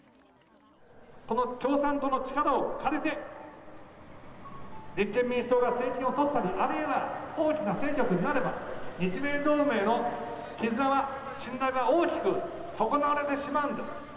この共産党の力を借りて、立憲民主党が政権を取ったり、あるいは大きな戦力になれば、日米同盟の絆は、信頼は大きく損なわれてしまうんです。